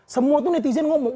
semua tuh netizen ngomong